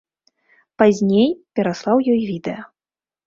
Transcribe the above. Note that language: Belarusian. Пазней пераслаў ёй відэа.